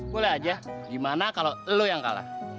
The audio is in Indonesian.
boleh aja gimana kalau lo yang kalah